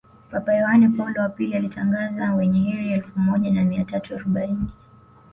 papa yohane paulo wa pili alitangaza Wenye kheri elfu moja na mia tatu arobaini